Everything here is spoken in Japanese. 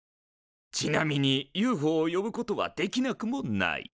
ちなみにＵＦＯを呼ぶことはできなくもない。